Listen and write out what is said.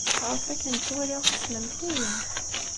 Ɣef wakken ttwaliɣ, tessnemt-iyi.